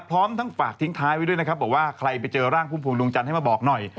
พร้อมทั้งฝากทิ้งท้ายไว้ด้วยนะครับบอกว่าใครไปเจอร่างพุ่มพวงดวงจันทร์ให้มาบอกหน่อย